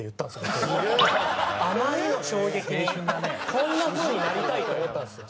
こんな風になりたいと思ったんですよ。